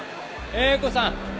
英子さん